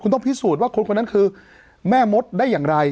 ต้องพิสูจน์ว่าคนคนนั้นคือแม่มดได้อย่างไร